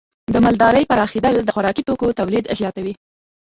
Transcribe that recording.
د مالدارۍ پراخېدل د خوراکي توکو تولید زیاتوي.